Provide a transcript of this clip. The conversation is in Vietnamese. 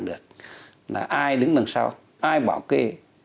là ai đứng đằng sau ai bảo kê